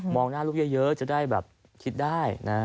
หน้าลูกเยอะจะได้แบบคิดได้นะ